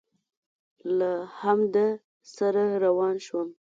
له همده سره روان شوم.